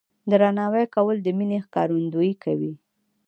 درناوی کول د مینې ښکارندویي کوي.